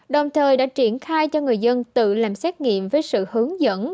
đồng thời đã triển khai cho người dân tự làm xét nghiệm với sự hướng dẫn